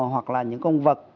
hoặc là những con vật